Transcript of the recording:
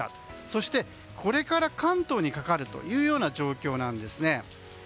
そして、これから関東にかかるという状況なんですね。